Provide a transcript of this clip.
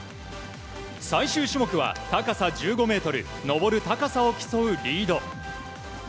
最終種目は高さ１５ｍ登る高さを競うリード。